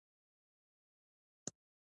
دا څېړنه د شین کوریزه ګازونو په اړه ده.